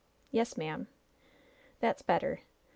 "Yes, ma'am." "That's better.